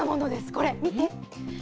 これ見て。